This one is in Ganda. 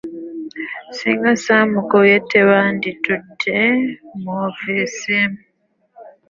Singa samukubye tebanditute mu woofiisi.